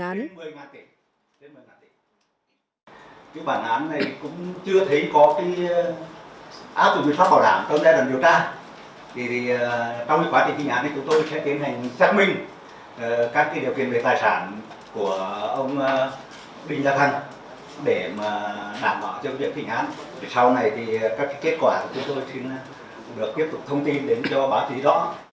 sau này các kết quả của chúng tôi sẽ được tiếp tục thông tin đến cho báo chí rõ